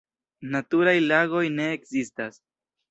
Naturaj lagoj ne ekzistas.